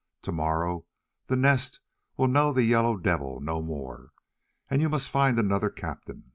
To morrow the Nest will know the Yellow Devil no more, and you must find another captain.